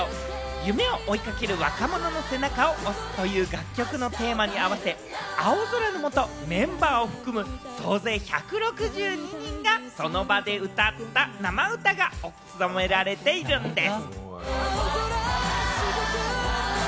夢を追いかける若者の背中を押すという楽曲のテーマに合わせ、青空のもと、メンバーを含む総勢１６２人がその場で歌った生歌が収められているんです。